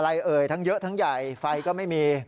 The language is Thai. เอ่ยทั้งเยอะทั้งใหญ่ไฟก็ไม่มี